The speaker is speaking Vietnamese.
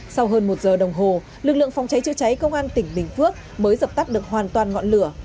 sau hơn một giờ đồng hồ lực lượng phòng cháy chữa cháy công an tỉnh bình phước mới dập tắt được hoàn toàn ngọn lửa